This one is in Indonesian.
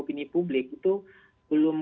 ini publik itu belum